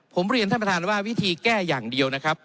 ผมเรียนท่านประธานว่าวิธีแก้อย่างเดียวนะครับ